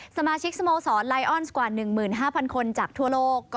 สมาชิกสโมสรไลออนซ์กว่า๑๕๐๐คนจากทั่วโลก